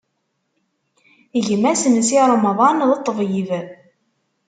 Gma-s n Si Remḍan, d ṭṭbib.